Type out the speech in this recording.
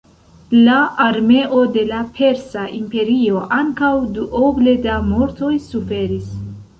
La armeo de la Persa Imperio ankaŭ duoble da mortoj suferis.